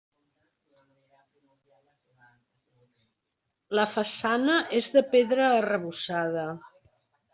La façana és de pedra arrebossada.